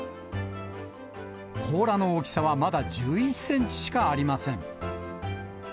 甲羅の大きさはまだ１１センチしかありません。